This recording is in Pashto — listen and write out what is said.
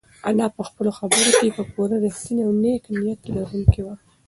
انا په خپلو خبرو کې پوره رښتینې او نېک نیت لرونکې وه.